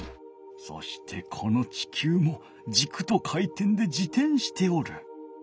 そしてこのちきゅうもじくと回転で自転しておる。